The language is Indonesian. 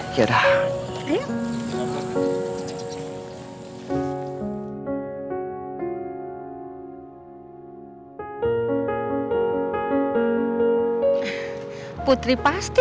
aku juga tidak peduli denganmu